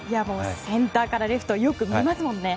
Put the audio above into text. センターからレフトよく見ますもんね。